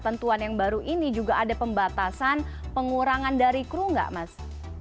tentuan yang baru ini juga ada pembatasan pengurangan dari kru nggak mas